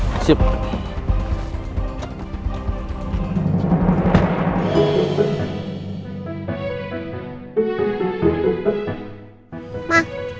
udah kerah siap